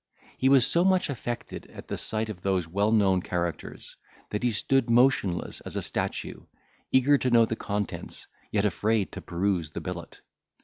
He was so much affected at sight of those well known characters, that he stood motionless as a statue, eager to know the contents, yet afraid to peruse the billet.